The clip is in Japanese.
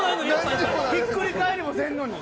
ひっくり返りもせんのに。